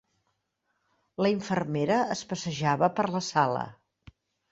La infermera es passejava per la sala.